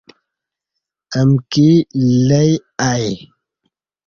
امکی لئی آئی